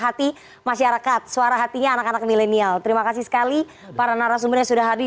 hati masyarakat suara hatinya anak anak milenial terima kasih sekali para narasumbernya sudah hari